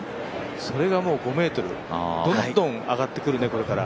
それがもう５メートル、どんどん上がってくるね、これから。